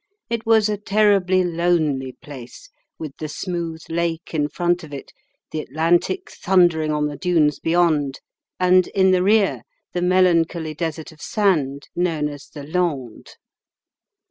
It was a terribly lonely place, with the smooth lake in front of it, the Atlantic thundering on the dunes beyond, and in the rear the melancholy desert of sand known as the Landes.